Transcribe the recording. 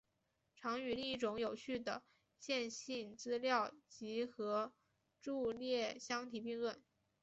常与另一种有序的线性资料集合伫列相提并论。